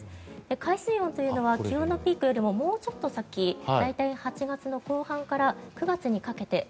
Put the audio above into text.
海水温というのは気温のピークよりももうちょっと先大体８月後半から９月にかけて。